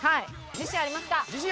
自信あります！